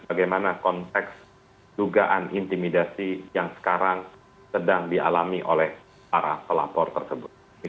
bagaimana konteks dugaan intimidasi yang sekarang sedang dialami oleh para pelapor tersebut